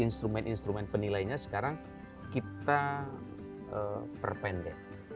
instrumen instrumen penilainya sekarang kita perpendek